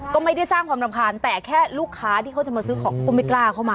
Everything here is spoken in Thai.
ก็ไม่ได้สร้างความรำคาญแต่แค่ลูกค้าที่เขาจะมาซื้อของก็ไม่กล้าเข้ามา